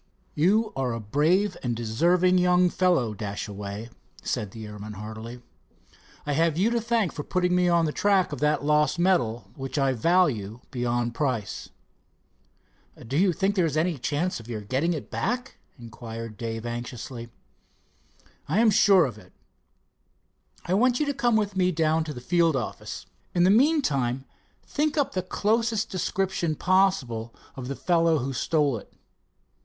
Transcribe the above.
"You are a brave, deserving young fellow, Dashaway," said the airman heartily. "I have you to thank for putting me on the track of that lost medal, which I value beyond price." "Do you think there is any chance of your getting it back?" inquired Dave anxiously. "I am sure of it. I want you to come with me down to the field office. In the meantime think up the closest description possible of the fellow who stole it.